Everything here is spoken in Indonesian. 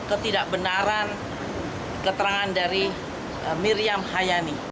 ketidakbenaran keterangan dari miriam hayani